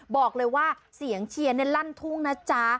บอกเลยว่าเสียงเชียร์ลั่นทุ่งนะจ๊ะ